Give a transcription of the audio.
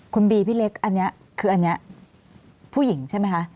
คุณบีพี่เล็กอันนี้คืออันนี้ผู้หญิงใช่ไหมคะ